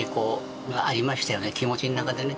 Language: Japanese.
気持ちの中でね。